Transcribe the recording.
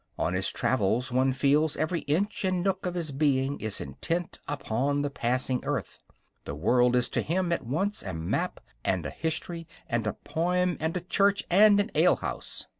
On his travels, one feels, every inch and nook of his being is intent upon the passing earth. The world is to him at once a map and a history and a poem and a church and an ale house.